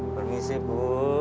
pergi sih bu